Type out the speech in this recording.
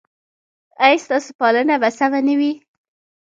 ایا ستاسو پالنه به سمه نه وي؟